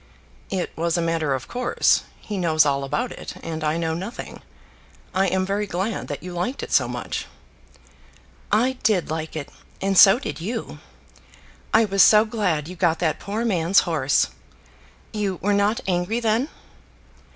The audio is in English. "It was a matter of course. He knows all about it, and I know nothing. I am very glad that you liked it so much." "I did like it; and so did you. I was so glad you got that poor man's horse. You were not angry then?"